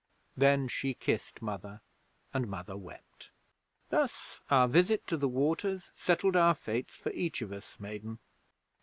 Then she kissed Mother, and Mother wept. Thus our visit to the Waters settled our fates for each of us, Maiden.'